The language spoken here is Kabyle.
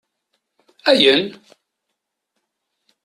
Ayen?